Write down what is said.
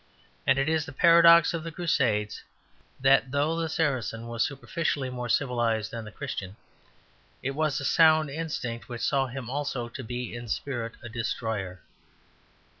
And it is the paradox of the Crusades that though the Saracen was superficially more civilized than the Christian, it was a sound instinct which saw him also to be in spirit a destroyer.